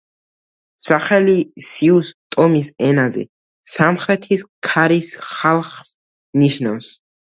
სახელი სიუს ტომის ენაზე „სამხრეთის ქარის ხალხს“ ნიშნავს.